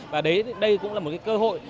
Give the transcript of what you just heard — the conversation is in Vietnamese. và đây cũng là một cơ hội